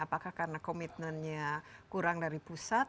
apakah karena komitmennya kurang dari pusat